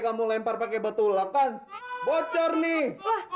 kamu lempar pakai batu ulek kan bocor nih